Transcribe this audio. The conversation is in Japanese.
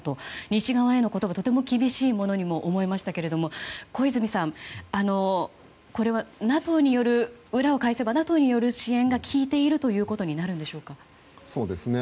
西側への言葉とても厳しいものに思えましたけれども、小泉さんこれは裏を返せばＮＡＴＯによる制裁が効いているということになるんでしょうか？